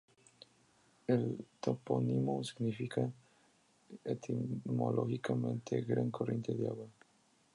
El topónimo significa etimológicamente "gran corriente de agua".